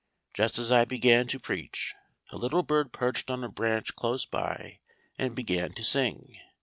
Just as I began to preach, a little bird perched on a branch close by and began to sing.